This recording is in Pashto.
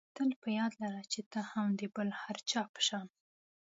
تل په یاد لره چې ته هم د بل هر چا په شان.